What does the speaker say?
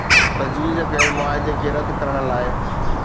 تجويز ڪيل معاهدي کي رد ڪرڻ لاء